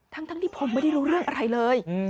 ทั้งที่ผมไม่ได้รู้เรื่องอะไรเลย